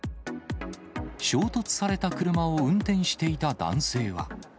衝突された車を運転していた男性は。